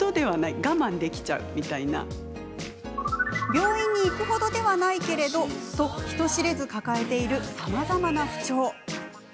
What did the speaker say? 病院に行く程ではないけれどと、人知れず抱えているさまざまな不調。